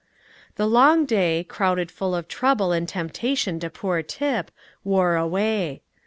The long day, crowded full of trouble and temptation to poor Tip, wore away.